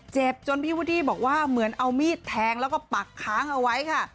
เจ็บจนพี่วูดดี้บอกว่าเหมือนเอามีดแทงแล้วก็ปักค้างเอาไว้ค่ะ